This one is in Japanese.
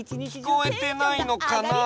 きこえてないのかな？